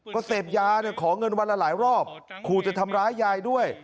ก็เสพยาขอเงินวันละหลายรอบขู่จะทำร้ายยายด้วย